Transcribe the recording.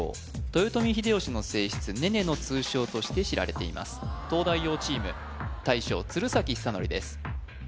豊臣秀吉の正室ねねの通称として知られています東大王チーム大将・鶴崎修功です